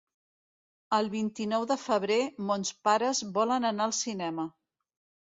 El vint-i-nou de febrer mons pares volen anar al cinema.